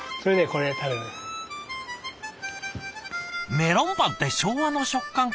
メロンパンって「昭和の食感」か。